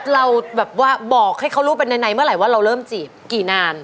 เราแบบว่าบอกให้เขารู้เป็นในเมื่อไหร่ว่าเราเริ่มจีบกี่นาน